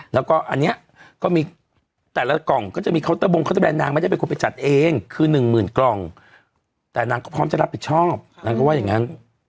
แล้วก็อันนี้ก็มีแต่ละกล่องก็จะมีเคาน์เตอร์บงคัตเตอร์แนนนางไม่ได้เป็นคนไปจัดเองคือหนึ่งหมื่นกล่องแต่นางก็พร้อมจะรับผิดชอบนางก็ว่าอย่างนั้น